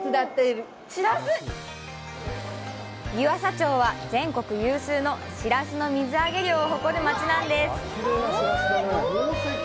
湯浅町は全国有数の「しらす」の水揚げ量を誇る町なんです。